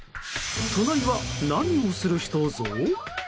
隣は何をする人ぞ？